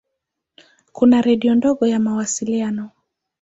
Kuna redio ndogo ya mawasiliano.